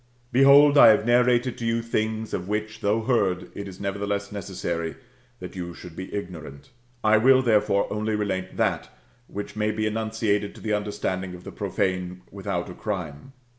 ^ Behold, I have narrated to you things, of which, though heard, it is nerertheless necessary that you should be ignorant. I will, therefore, only relate that, which may be enunciated to the understanding of the profane without a crime.